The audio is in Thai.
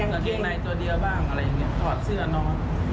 กางเกงในตัวเดียวบ้างอะไรอย่างนี้ถอดเสื้อน้อง